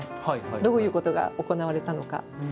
どういうことが行われたのか。